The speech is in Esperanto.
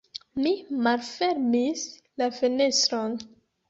Mi malfermis la fenestron.